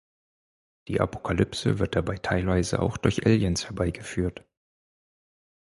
Die Apokalypse wird dabei teilweise auch durch Aliens herbeigeführt.